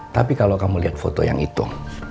tapi kalau kamu lihat foto yang hitung